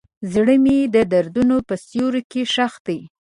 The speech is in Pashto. زړه مې د دردونو په سیوري کې ښخ دی.